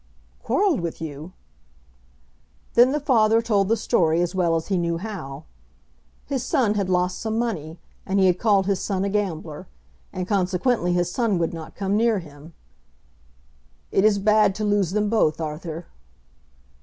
"Quarrelled with you!" Then the father told the story as well as he knew how. His son had lost some money, and he had called his son a gambler; and consequently his son would not come near him. "It is bad to lose them both, Arthur."